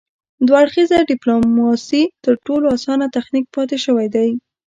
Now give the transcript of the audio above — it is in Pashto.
دوه اړخیزه ډیپلوماسي تر ټولو اسانه تخنیک پاتې شوی دی